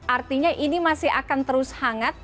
artinya ini masih akan terus hangat